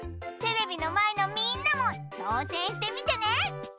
テレビのまえのみんなもちょうせんしてみてね！